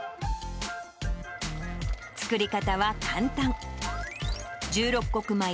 作り方は簡単。